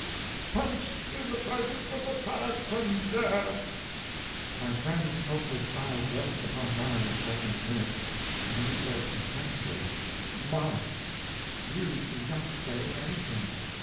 PUNCH in the presence of the passenjare!" My friend's hopeless eyes rested upon mine a pregnant minute, and then he said impressively: "Mark, you do not say anything.